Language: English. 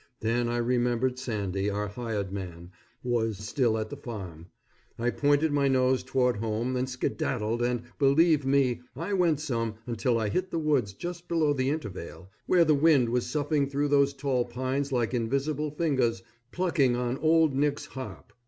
Then I remembered Sandy, our hired man, was still at the farm. I pointed my nose toward home and skedaddled and, believe me, I went some until I hit the woods just below the intervale, where the wind was soughing through those tall pines like invisible fingers plucking on Old Nick's harp.